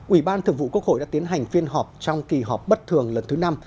ủy ban thường vụ quốc hội đã tiến hành phiên họp trong kỳ họp bất thường lần thứ năm